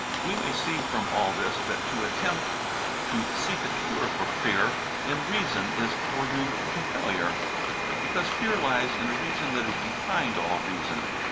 We may see from all this that to attempt to seek a cure for fear in reason is foredoomed to failure, because fear lies in a region that is behind all reason.